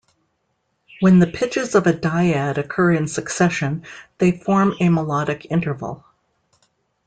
When the pitches of a dyad occur in succession, they form a melodic interval.